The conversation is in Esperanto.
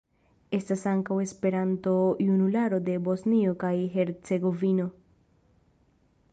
Estas ankaŭ Esperanto-Junularo de Bosnio kaj Hercegovino.